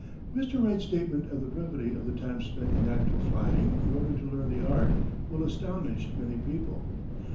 Mr. Wright's statement of the brevity of the time spent in actual flying in order to learn the art will astonish many people.